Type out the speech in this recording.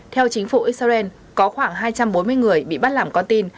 theo chính phủ israel có khoảng hai trăm bốn mươi người bị bắt làm con tin